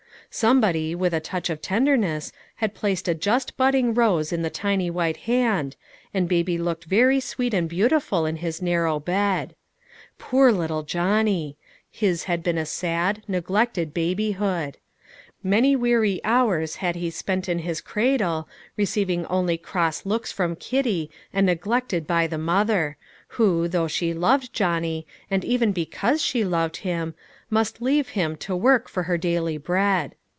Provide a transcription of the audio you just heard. Somebody, with a touch of tenderness, had placed a just budding rose in the tiny white hand, and baby looked very sweet and beautiful in his narrow bed. Poor little Johnny! his had been a sad, neglected babyhood; many weary hours had he spent in his cradle, receiving only cross looks from Kitty, and neglected by the mother, who, though she loved Johnny, and even because she loved him, must leave him to work for her daily bread.